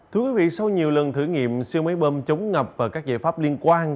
thưa quý vị sau nhiều lần thử nghiệm siêu máy bơm chống ngập và các giải pháp liên quan